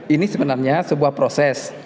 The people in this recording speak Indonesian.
ini sebenarnya sebuah proses